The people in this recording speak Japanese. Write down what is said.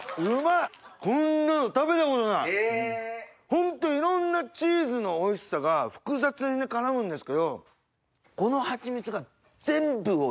ホントいろんなチーズのおいしさが複雑に絡むんですけどこの。